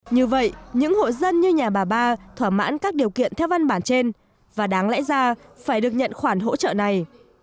như vậy những hộ dân như nhà bà ba thỏa mãn các điều kiện theo văn bản trên và đáng lẽ ra phải được nhận khoản hỗ trợ này